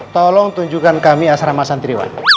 tolong tunjukkan kami asrama santriwan